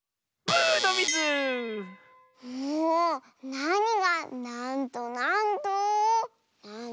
なにが「なんとなんと」なの！